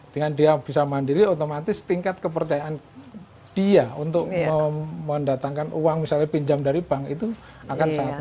dengan dia bisa mandiri otomatis tingkat kepercayaan dia untuk mendatangkan uang misalnya pinjam dari bank itu akan sangat besar